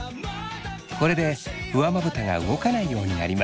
これで上まぶたが動かないようになります。